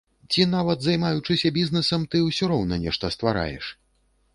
Ці нават займаючыся бізнэсам, ты ўсё роўна нешта ствараеш?